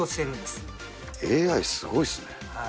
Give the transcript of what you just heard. ＡＩすごいですね。